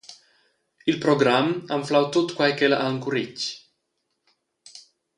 Il program ha anflau tut quei ch'ella ha encuretg.